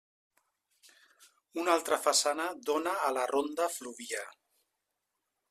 Una altra façana dóna a la ronda Fluvià.